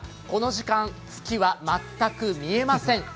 この時間、月は全く見えません。